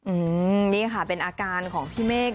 อืมนี่ค่ะเป็นอาการของพี่เมฆ